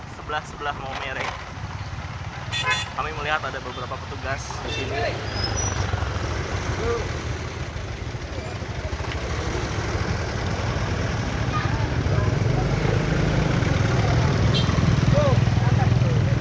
sebelah sebelah maumere kami melihat ada beberapa petugas di sini